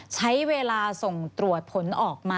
ใช้เวลาส่งตรวจผลออกมา